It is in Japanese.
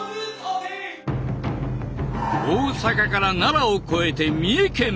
大阪から奈良を越えて三重県まで。